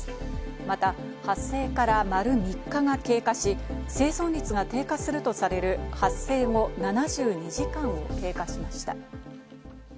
また発生から丸３日が経過し、生存率が低下するとされる発生後７２時間を経過しました。